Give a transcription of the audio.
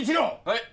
はい！